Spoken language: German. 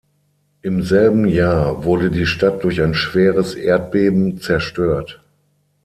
Im selben Jahr wurde die Stadt durch ein schweres Erdbeben zerstört.